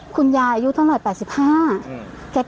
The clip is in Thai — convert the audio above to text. คุณยายอายุทั้งหลายแปดสิบห้าอืม